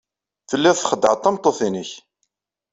Telliḍ txeddɛeḍ tameṭṭut-nnek.